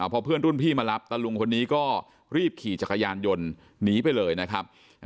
พอเพื่อนรุ่นพี่มารับตะลุงคนนี้ก็รีบขี่จักรยานยนต์หนีไปเลยนะครับ